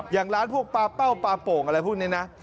อย่างร้านพวกปลาเป้าปลาโป่งอะไรพวกนี้นะ